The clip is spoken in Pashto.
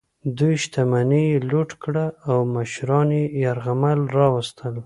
دوی شتمني یې لوټ کړه او مشران یې یرغمل راوستل.